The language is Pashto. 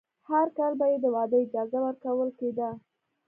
هر کال به یې د واده اجازه ورکول کېده.